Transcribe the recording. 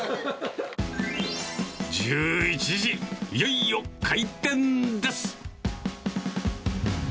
１１時、いよいよ開店です。